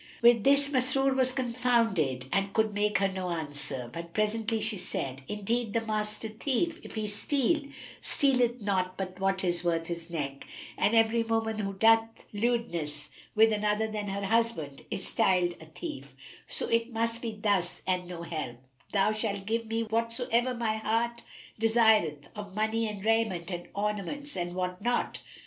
With this Masrur was confounded and could make her no answer; but presently she said, "Indeed, the master thief, if he steal, stealeth not but what is worth his neck, and every woman who doth lewdness with other than her husband is styled a thief; so, if it must be thus and no help[FN#320], thou shalt give me whatsoever my heart desireth of money and raiment and ornaments and what not."